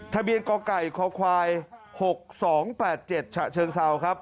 ทะเบียนกไก่คควาย๖๒๘๗ฉเชิงเศร้าครับ